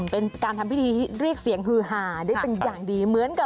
เป็นการทำพิธีเรียกเสียงฮือหาได้เป็นอย่างดี